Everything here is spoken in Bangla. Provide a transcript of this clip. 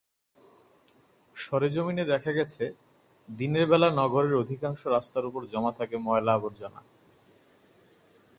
সরেজমিনে দেখা গেছে, দিনের বেলা নগরের অধিকাংশ রাস্তার ওপর জমা থাকে ময়লা-আবর্জনা।